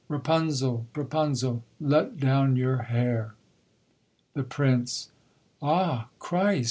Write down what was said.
Rapunzel, Rapunzel, Let down your hair! THE PRINCE. Ah Christ!